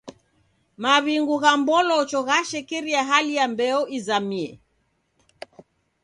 Maw'ingu gha m'bolocho ghashekeria hali ya mbeo izamie.